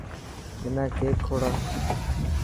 منا ڪيڪ کوڙا.